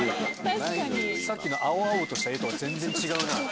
さっきの青々とした画とは全然違うな。